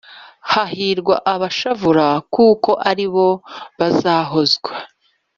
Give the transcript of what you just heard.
“hahirwa abashavura, kuko ari bo bazahozwa